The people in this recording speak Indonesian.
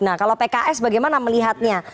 nah kalau pks bagaimana melihatnya